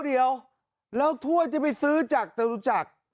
เดี๋ยวแล้วถ้วยที่ไปซื้อจากจรุจักร